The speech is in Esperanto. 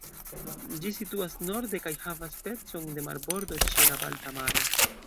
Ĝi situas norde kaj havas pecon de marbordo ĉe la Balta maro.